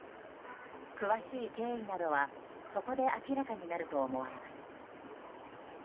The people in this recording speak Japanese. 詳しい経緯などは、そこで明らかになると思われます。